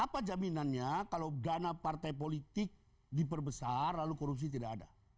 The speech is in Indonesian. apa jaminannya kalau dana partai politik diperbesar lalu korupsi tidak ada